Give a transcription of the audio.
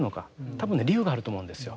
多分ね理由があると思うんですよ。